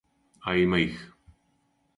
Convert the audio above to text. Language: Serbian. А има их.